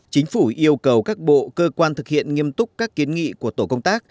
chính phủ yêu cầu các bộ cơ quan thực hiện nghiêm túc các kiến nghị của tổ công tác